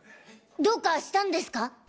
どうかしたんですか？